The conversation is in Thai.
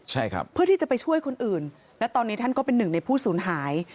ใช่ครับเพื่อที่จะไปช่วยคนอื่นและตอนนี้ท่านก็เป็นหนึ่งในผู้สูญหาย